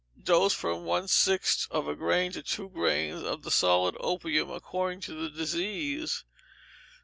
Dose, from one sixth of a grain to two grains of the solid opium, according to the disease.